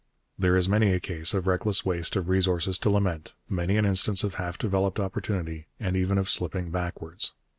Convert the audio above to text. There is many a case of reckless waste of resources to lament, many an instance of half developed opportunity and even of slipping backwards.